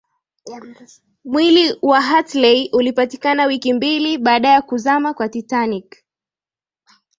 mwili wa hartley ulipatikana wiki mbili baada ya kuzama kwa titanic